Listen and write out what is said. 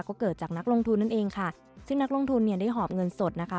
ก็เกิดจากนักลงทุนนั่นเองค่ะซึ่งนักลงทุนเนี่ยได้หอบเงินสดนะคะ